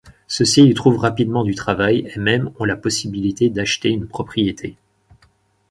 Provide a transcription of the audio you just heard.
Ceux-ci y trouvent rapidement du travail, et même ont la possibilité d'acheter une propriété.